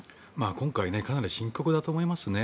今回かなり深刻だと思いますね。